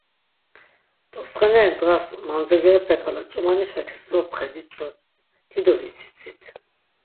T̆otsxeneri ndğas mandzagerepe k̆ala ç̆umanişakis dopxedit do dido vidzitsit.